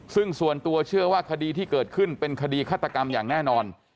ซึ่งส่วนตัวเชื่อว่าคดีที่เกิดขึ้นเป็นคดีฆาตกรรมอย่างแน่นอน